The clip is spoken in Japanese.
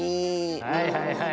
はいはいはい。